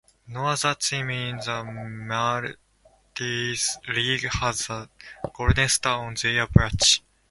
No other team in the Maltese League has the golden star on their badge.